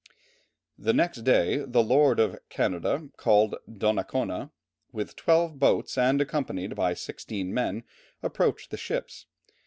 "The next day the lord of Canada, called Donnacona, with twelve boats and accompanied by sixteen men, approached the ships.